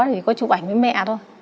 chỉ có chụp ảnh với mẹ thôi